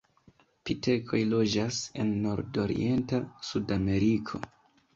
Pitekoj loĝas en nordorienta Sudameriko.